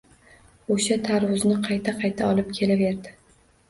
Oʻsha tarvuzni qayta-qayta olib kelaverdi